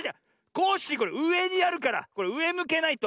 コッシーこれうえにあるからこれうえむけないと。